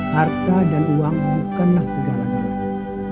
harta dan uang bukanlah segala galanya